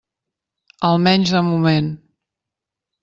Almenys de moment.